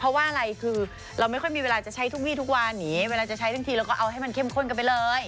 เพราะว่าอะไรคือเราไม่ค่อยมีเวลาจะใช้ทุกวีทุกวันนี้เวลาจะใช้ทั้งทีเราก็เอาให้มันเข้มข้นกันไปเลย